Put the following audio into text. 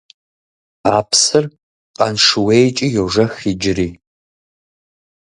А псыр Къаншыуейкӏи йожэх иджыри.